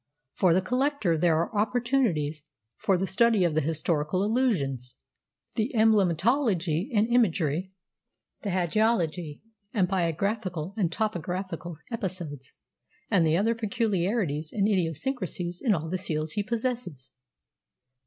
For the collector there are opportunities for the study of the historical allusions, the emblematology and imagery, the hagiology, the biographical and topographical episodes, and the other peculiarities and idiosyncrasies in all the seals he possesses."